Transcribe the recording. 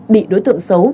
bị đối tượng xấu